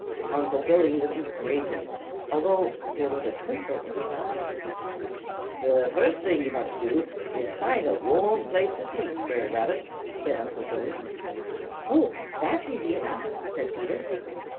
Unc' Billy listened gravely, although there was a twinkle in his eyes. "The first thing yo' must do is to find a warm place to sleep, Brer Rabbit," said Unc' Billy. [Illustration: 0130] "Oh, that's easy enough!" said Peter.